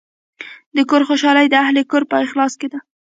د کور خوشحالي د اهلِ کور په اخلاص کې ده.